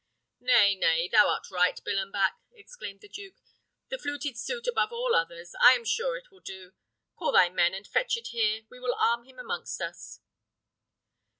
"Nay, nay, thou art right, Billenbach!" exclaimed the duke; "the fluted suit above all others! I am sure it will do. Call thy men, and fetch it here; we will arm him amongst us."